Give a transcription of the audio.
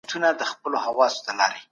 پایله الله ټاکي.